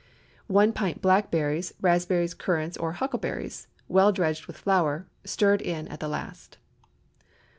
1 pint blackberries, raspberries, currants, or huckleberries, well dredged with flour—stirred in at the last.